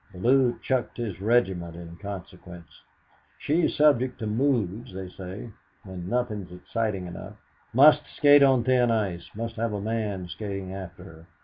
Bellew chucked his regiment in consequence. She's subject to moods, they say, when nothing's exciting enough; must skate on thin ice, must have a man skating after her.